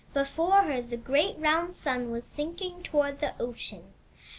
Before her the great roimd sun was sinking toward the ocean.